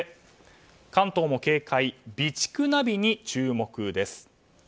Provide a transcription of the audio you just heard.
関東も警戒、備蓄ナビに注目です。